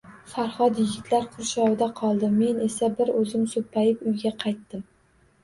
Farhod yigitlar qurshovida qoldi, men esa bir o`zim, so`ppayib uyga qaytdim